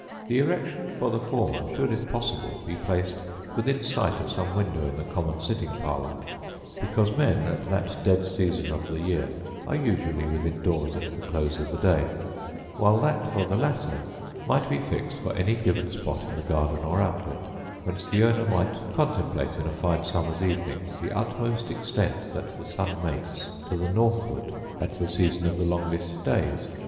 The erection for the former should, if possible, be placed within sight of some window in the common sitting parlour; because men, at that dead season of the year, are usually within doors at the close of the day; while that for the latter might be fixed for any given spot in the garden or outlet: whence the owner might contemplate, in a fine summer's evening, the utmost extent that the sun makes to the northward at the season of the longest days.